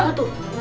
aku dapat ide